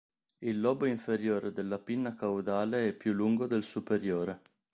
Il lobo inferiore della pinna caudale è più lungo del superiore.